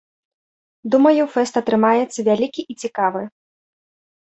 Думаю фэст атрымаецца вялікі і цікавы.